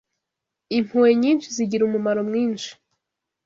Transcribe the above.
Impuhwe nyinshi zigira umumaro mwinshi